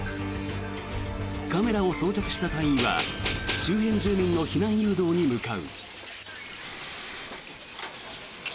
カメラを装着した隊員は周辺住民の避難誘導に向かう。